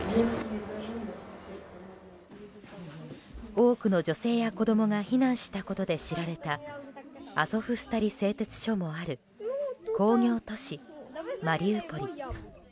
多くの女性や子供が避難したことで知られたアゾフスタリ製鉄所もある工業都市マリウポリ。